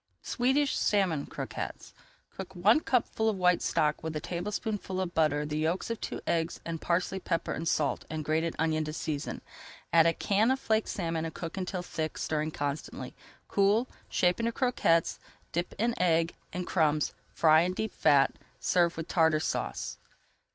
SWEDISH SALMON CROQUETTES Cook one cupful of white stock with a tablespoonful of butter, the yolks of two eggs, and parsley, pepper and salt, and grated onion to season. Add a can of flaked salmon and cook until thick, stirring constantly. Cool, shape into croquettes, dip in egg and crumbs, and fry in deep fat. Serve with Tartar Sauce.